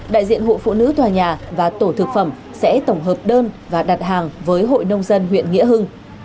đại diện hội phụ nữ tòa nhà và tổ thực phẩm sẽ tổng hợp đơn và đặt hàng với hội nông dân huyện nghĩa hưng